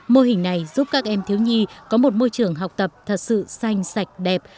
mô hình này giúp các em thiếu nhi có một môi trường học tập thật sự xanh sạch đẹp